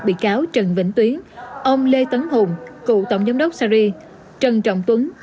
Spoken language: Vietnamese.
bị cáo trần vĩnh tuyến ông lê tấn hùng cựu tổng giám đốc syri trần trọng tuấn